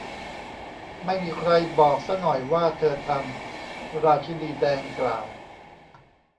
ไม่มีใครบอกซะหน่อยว่าเธอทำ ราชินีแดงกล่าว